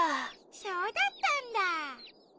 そうだったんだ！